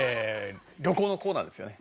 旅行のコーナーですよね。